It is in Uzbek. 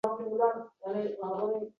Onasi qanday rozi bo‘ldi ekan? Akalari-chi?